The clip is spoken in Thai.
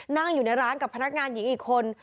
นั่งอยู่ในร้านกับพนักงานหญิงอีกคน